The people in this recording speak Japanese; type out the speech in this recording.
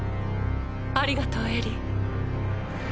ありがとうエリィ。